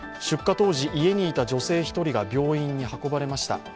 出火当時家にいた女性１人が病院に運ばれました。